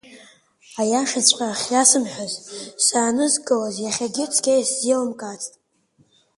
Аиашаҵәҟьа ахьиасымҳәаз, саанызкылаз иахьагьы цқьа исзеилымкаацт.